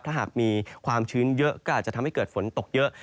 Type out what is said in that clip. ถ้าหากมีความชื้นเยอะก็อาจจะทำให้เกิดฝนตกเยอะ